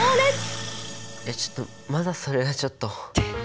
いやちょっとまだそれはちょっと。